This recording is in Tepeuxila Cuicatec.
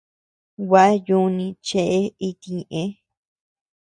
Gua yuuni cheʼe iti ñëʼe.